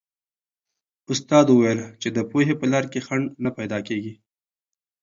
استاد وویل چې د پوهې په لار کې خنډ نه پیدا کېږي.